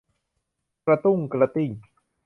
กระตุ้งกระติ้ง